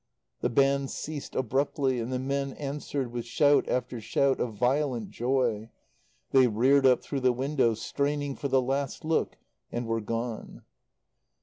The band ceased abruptly, and the men answered with shout after shout of violent joy; they reared up through the windows, straining for the last look and were gone.